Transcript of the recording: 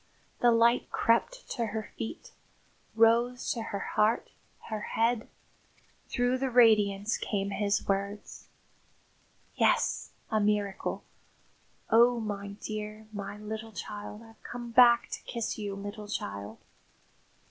The light crept to her feet, rose to her heart, her head. Through the radiance came his words. "Yes, a miracle. Oh, my dear my little child! I've come back to kiss you, little child."